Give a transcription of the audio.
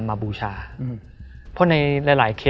เพื่อที่จะให้แก้วเนี่ยหลอกลวงเค